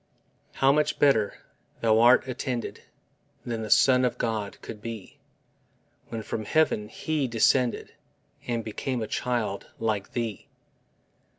How much better thou'rt attended Than the Son of God could be, When from heaven He descended And became a child like thee!